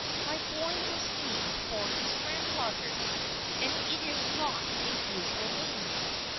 My boy was named for his grandfather, and it is not a usual name."